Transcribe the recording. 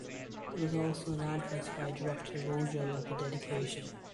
There was also an address by Director Vogel at the dedication.